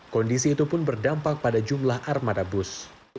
kondisi itu pun berdampak pada jumlah armada bus